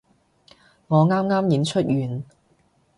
我啱啱演出完